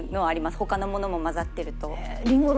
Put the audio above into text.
他のものも混ざってると。